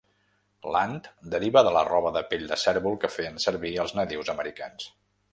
L'ant deriva de la roba de pell de cérvol que feien servir els nadius americans.